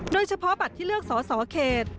เฉพาะบัตรที่เลือกสอสอเขต